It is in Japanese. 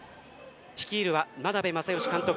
率いるは眞鍋政義監督。